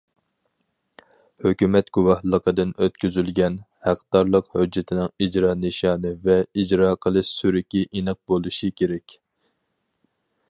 ھۆكۈمەت گۇۋاھلىقىدىن ئۆتكۈزۈلگەن ھەقدارلىق ھۆججىتىنىڭ ئىجرا نىشانى ۋە ئىجرا قىلىش سۈرۈكى ئېنىق بولۇشى كېرەك.